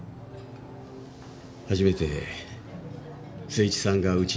初めて誠一さんがうちに来たときね